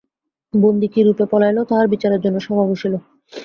বন্দী কিরূপে পলাইল তাহার বিচারের জন্য সভা বসিল।